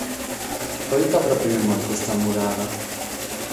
Pro ite pròpiu como custa mudada?